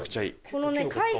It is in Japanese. このね蚕